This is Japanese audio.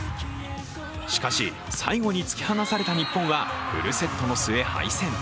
しかし、最後に突き放された日本はフルセットの末、敗戦。